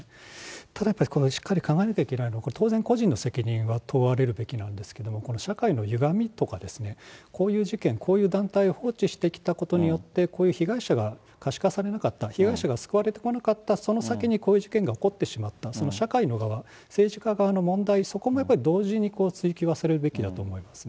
ただやっぱりしっかり考えなきゃいけないのは、これ、当然、個人の責任は問われるべきなんですけども、この社会のゆがみとか、こういう事件、こういう団体を放置してきたことによって、こういう被害者が可視化されなかった、被害者が救われてこなかった、その先にこういう事件が起こってしまった、社会の側、政治家側の問題、そこもやっぱり同時に追及はされるべきだと思いますね。